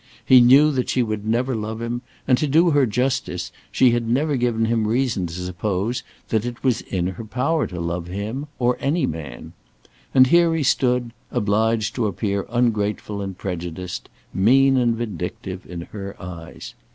He knew that she would never love him, and, to do her justice, she never had given him reason to suppose that it was in her power to love him, r any man. And here he stood, obliged to appear ungrateful and prejudiced, mean and vindictive, in her eyes.